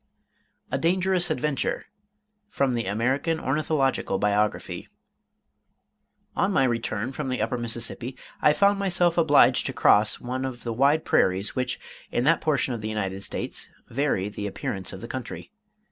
A DANGEROUS ADVENTURE From 'The American Ornithological Biography' On my return from the Upper Mississippi, I found myself obliged to cross one of the wide prairies which, in that portion of the United States, vary the appearance of the country.